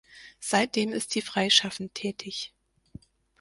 Seitdem ist sie freischaffend tätig.